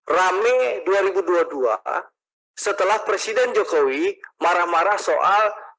rame dua ribu dua puluh dua setelah presiden jokowi marah marah soal